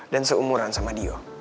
dan seumuran sama dio